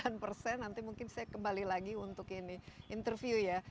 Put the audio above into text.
nanti mungkin saya kembali lagi untuk ini interview ya